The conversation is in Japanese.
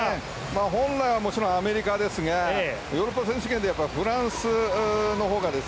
本来はアメリカですがヨーロッパ選手権でフランスのほうが。